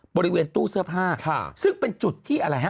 บริเวณตู้เสื้อผ้าซึ่งเป็นจุดที่อะไรฮะ